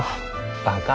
バカ。